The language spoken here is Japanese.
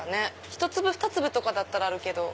ひと粒ふた粒とかだったらあるけど。